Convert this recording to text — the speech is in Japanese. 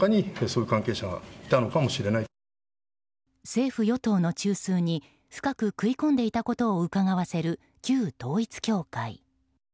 政府・与党の中枢に深く食い込んでいたことをうかがわせる旧統一教会。